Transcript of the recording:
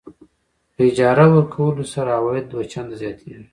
په اجاره ورکولو سره عواید دوه چنده زیاتېږي.